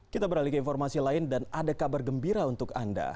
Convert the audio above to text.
kita beralih ke informasi lain dan ada kabar gembira untuk anda